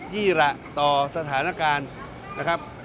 ยี่หละต่อสถานการณ์